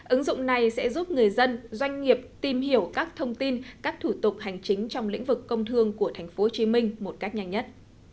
ứng dụng này sẽ giúp người dân doanh nghiệp tìm hiểu các thông tin các thủ tục hành chính trong lĩnh vực công thương của tp hcm một cách nhanh nhất